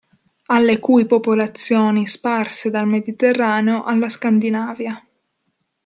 Alle cui popolazioni sparse dal Mediterraneo alla Scandinavia.